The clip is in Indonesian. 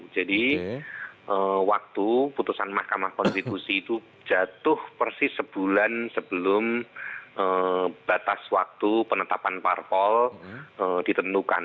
jadi waktu putusan mahkamah konstitusi itu jatuh persis sebulan sebelum batas waktu penetapan parpol ditentukan